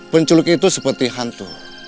penculik itu seperti hantu